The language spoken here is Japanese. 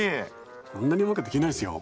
こんなにうまくできないですよ。